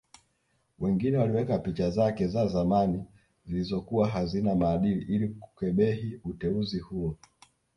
Wengine waliweka picha zake za zamani zilizokuwa hazina maadili ili kukebehi uteuzi huo